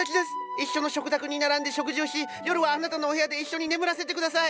一緒の食卓に並んで食事をし夜はあなたのお部屋で一緒に眠らせて下さい！